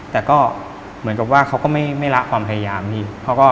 แต่ก็เหมือนกับว่าเขาก็ไม่ละความพยายามนี่